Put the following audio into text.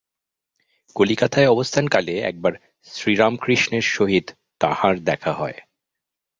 কলিকাতায় অবস্থানকালে একবার শ্রীরামকৃষ্ণের সহিত তাঁহার দেখা হয়।